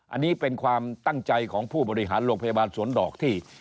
อันนี้เป็นความตั้งใจของผู้บริหารโรงพยาบาลสวนดอกที่